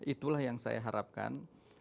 itulah yang saya harapkan